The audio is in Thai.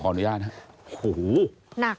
ขออนุญาตครับ